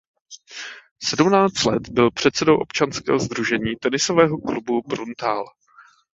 Sedmnáct let byl předsedou občanského sdružení Tenisového klubu Bruntál.